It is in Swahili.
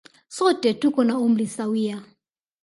Sote tuko na umri sawia.